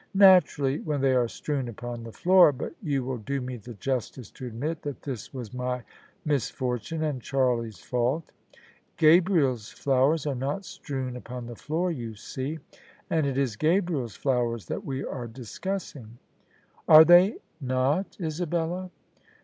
" Naturally, when they are strewn upon the floor: but you will do me the justice to admit that this was my misfortune and Charlie's fault. Gabriel's flowers are not strewn upon the floor, you see: and it is Gabriel's flowers that we are discussing." "Are they not, Isabella?